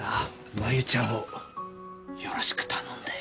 真夢ちゃんをよろしく頼んだよ。